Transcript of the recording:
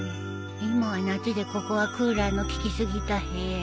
今は夏でここはクーラーの効きすぎた部屋。